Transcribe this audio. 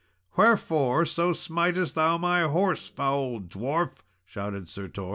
"Wherefore so smitest thou my horse, foul dwarf?" shouted Sir Tor.